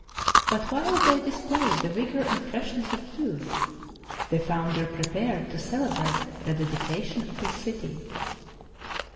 But while they displayed the vigor and freshness of youth, the founder prepared to celebrate the dedica tion of his city.